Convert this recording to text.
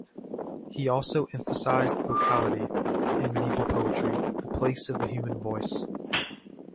He also emphasised "vocality" in medieval poetry, the place of the human voice.